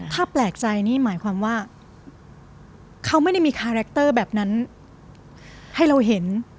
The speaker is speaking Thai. ถ้าแปลกใจนี่หมายความว่าเขาไม่ได้มีคาแรคเตอร์แบบนั้นให้เราเห็น